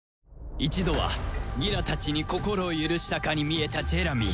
一度はギラたちに心を許したかに見えたジェラミー